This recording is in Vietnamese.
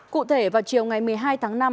cụ thể vào chiều ngày một mươi hai tháng năm